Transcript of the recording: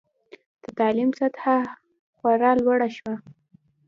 د تعلیم سطحه خورا لوړه شوه.